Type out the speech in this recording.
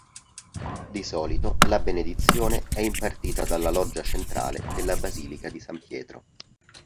Di solito, la benedizione è impartita dalla loggia centrale della basilica di San Pietro.